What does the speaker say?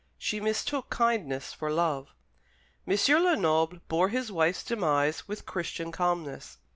She mistook kindness for love. M. Lenoble bore his wife's demise with Christian calmness.